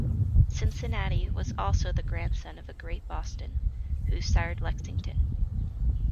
Cincinnati was also the grandson of the great Boston, who sired Lexington.